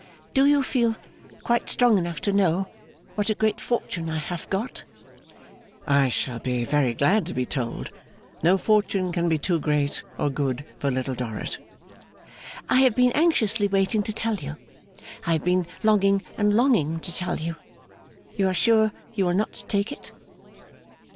'Do you feel quite strong enough to know what a great fortune I have got?' 'I shall be very glad to be told. No fortune can be too great or good for Little Dorrit.' 'I have been anxiously waiting to tell you. I have been longing and longing to tell you. You are sure you will not take it?